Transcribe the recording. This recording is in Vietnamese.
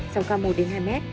sóng cao một hai m